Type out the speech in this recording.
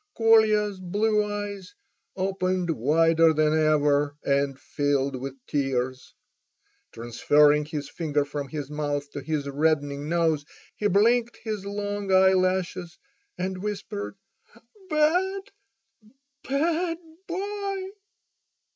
Kolya's blue eyes opened wider than ever, and filled with tears. Transferring his finger from his mouth to his reddening nose he blinked his long eyelashes and whispered: "Bad—bad boy!"